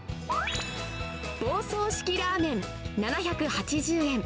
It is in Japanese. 房総式ラーメン７８０円。